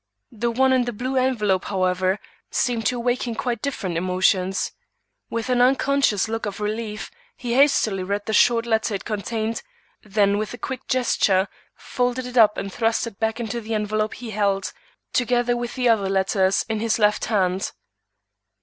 The one in the blue envelope, however, seemed to awaken quite different emotions. With an unconscious look of relief, he hastily read the short letter it contained, then with a quick gesture, folded it up and thrust it back into the envelope he held, together with the other letters, in his left hand.